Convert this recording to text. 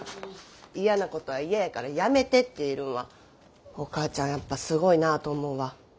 嫌なことは嫌やからやめてって言えるんはお母ちゃんやっぱすごいなと思うわ。